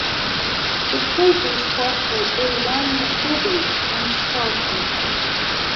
The crater is crossed by Eridania Scopulus, an escarpment.